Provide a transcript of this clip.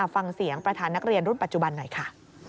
ฟังเสียงประธานนักเรียนรุ่นปัจจุบันหน่อยค่ะ